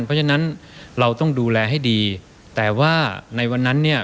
เพราะฉะนั้นเราต้องดูแลให้ดีแต่ว่าในวันนั้นเนี่ย